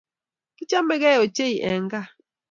Kichamegei ochei eng kaa